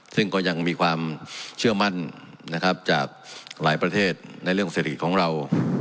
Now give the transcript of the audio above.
ซึ่งก็ยังมีความเชื่อมั่นนะครับจากหลายประเทศในเรื่องเศรษฐกิจของเรา